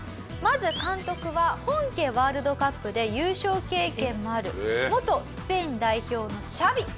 まず監督は本家ワールドカップで優勝経験もある元スペイン代表のシャビ。